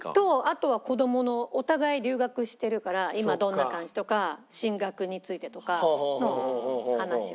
あとは子どものお互い留学してるから今どんな感じとか進学についてとかの話をしたり。